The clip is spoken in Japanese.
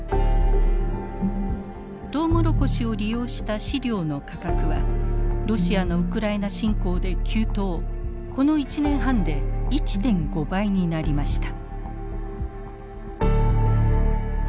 トウモロコシを利用した飼料の価格はロシアのウクライナ侵攻で急騰この１年半で１．５倍になりました。